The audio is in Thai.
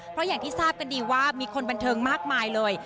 เพราะอย่างที่ทราบกันดีว่ามีคนบันเทิงมากมายเลย